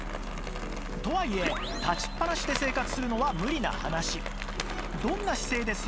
とはいえ立ちっぱなしで生活するのは無理な話